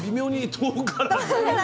遠からず。